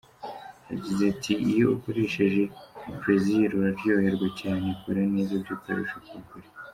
Yagize ati "Iyo ukoresheje Plaisir uraryoherwa cyane, ikora neza by’akarusho ku bagore.